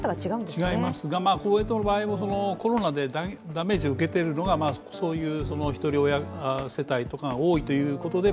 違いますが、公明党の場合もコロナでダメージを受けているのがそういうひとり親世帯が多いということで。